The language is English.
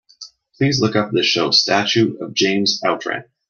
Please look up the show Statue of James Outram.